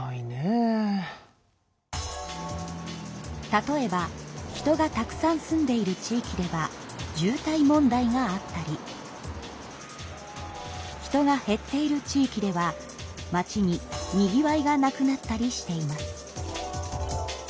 例えば人がたくさん住んでいる地域では渋滞問題があったり人が減っている地域では町ににぎわいがなくなったりしています。